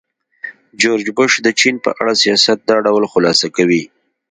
جورج بوش د چین په اړه سیاست دا ډول خلاصه کوي.